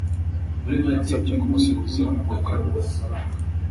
yansabye kumusubiza ako kanya amafaranga